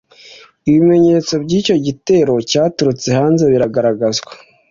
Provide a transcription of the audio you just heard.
ibimenyetso by'icyo gitero cyaturutse hanze bigaragazwa